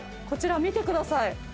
こちら見てください。